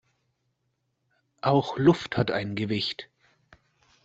Auch Luft hat ein Gewicht.